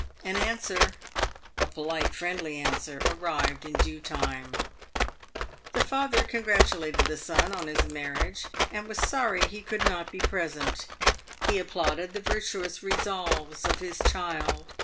An answer — a polite, friendly answer — arrived in due time. The father congratulated the son on his marriage, and was sorry he could not be present. He applauded the virtuous resolves of his child.